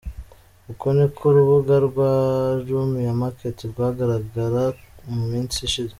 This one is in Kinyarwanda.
Uko ni ko urubuga rwa Jumia Market rwagaragaraga mu minsi ishize.